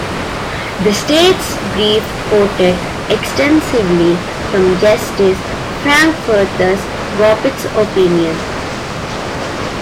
The state's brief quoted extensively from Justice Frankfurter's Gobitis opinion.